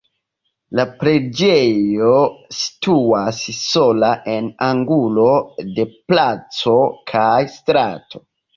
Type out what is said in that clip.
La preĝejo situas sola en angulo de placo kaj strato.